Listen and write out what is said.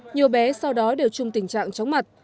nhiều bé sau đó đều chung tình trạng chóng mặt